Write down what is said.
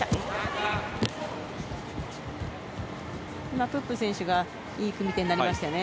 今、プップ選手がいい組み手になりましたよね。